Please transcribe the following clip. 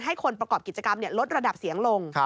ให้คนประกอบกิจกรรมลดระดับเสียงลง